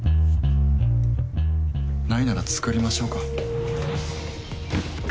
ないなら作りましょうか。